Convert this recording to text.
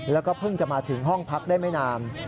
แล้วก็เพิ่งจะมาถึงห้องพักได้ไม่นาน